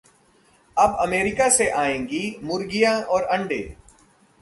अब अमेरिका से आएंगी मुर्गियां और अंडें